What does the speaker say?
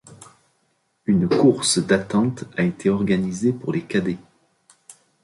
Une course d'attente a été organisée pour les Cadets.